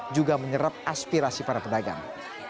juga menyerap aspirasi para pedagang